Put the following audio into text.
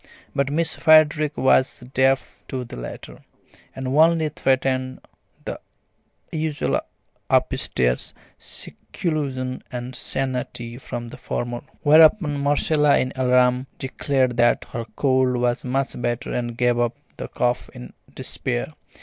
But Miss Frederick was deaf to the latter, and only threatened the usual upstairs seclusion and senna tea for the former, whereupon Marcella in alarm declared that her cold was much better and gave up the cough in despair.